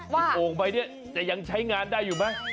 ว่าคนโอโมมันจะยังใช้งานได้อยู่ไหม